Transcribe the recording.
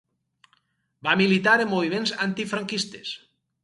Va militar en moviments antifranquistes.